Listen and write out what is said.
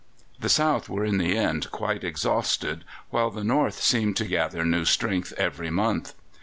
The South were in the end quite exhausted, while the North seemed to gather new strength every month.